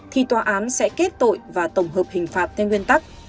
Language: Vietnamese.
thì tòa án sẽ kết tội và tổng hợp hình phạt theo nguyên tắc